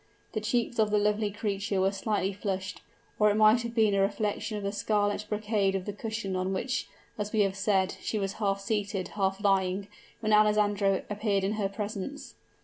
The cheeks of the lovely creature were slightly flushed, or it might have been a reflection of the scarlet brocade of the cushion on which, as we have said, she was half seated, half lying, when Alessandro appeared in her presence.